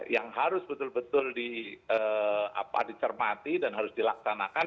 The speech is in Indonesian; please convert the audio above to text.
yang harus betul betul dicermati dan harus dilaksanakan